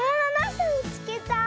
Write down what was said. すみつけた。